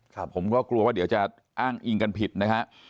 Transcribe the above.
ผมก็กลัวว่าเดี๋ยวจะอ้างอิงกันผิดนะฮะ